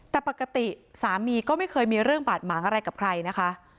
แต่ปกติสามีก็ไม่เคยมีเรื่องบาดหมางอะไรกับใครนะคะ